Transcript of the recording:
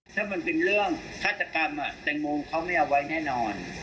ถ้ามันเป็นเรื่องฆาตกรรมแตงโมเขาไม่เอาไว้แน่นอน